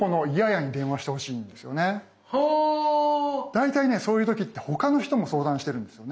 大体ねそういう時って他の人も相談してるんですよね。